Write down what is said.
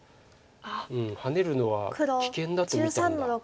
ハネるのは危険だと見たんだ。